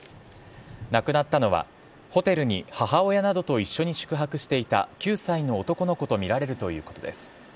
亡くなったのは、ホテルに母親などと一緒に宿泊していた９歳の男の子と見られるということです。